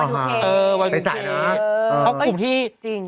อ๋อฮะใส่เนอะเออเออจริงจริง